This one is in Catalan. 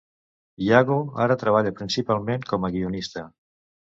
Yago ara treballa principalment com a guionista.